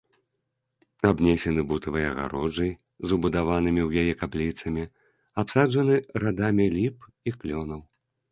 Абнесены бутавай агароджай з убудаванымі ў яе капліцамі, абсаджаны радамі ліп і клёнаў.